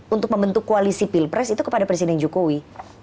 untuk membentuk koalisi pilpres itu kepada presiden jokowi